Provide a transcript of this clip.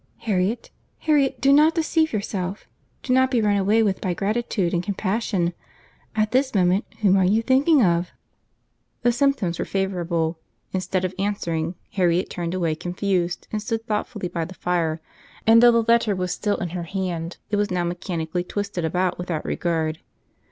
Harriet, Harriet, do not deceive yourself; do not be run away with by gratitude and compassion. At this moment whom are you thinking of?" The symptoms were favourable.—Instead of answering, Harriet turned away confused, and stood thoughtfully by the fire; and though the letter was still in her hand, it was now mechanically twisted about without regard.